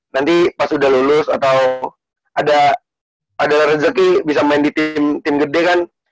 nanti pas udah lulus atau ada rezeki bisa main di tim gede kan